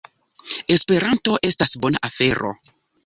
Esperanto estas bona afero!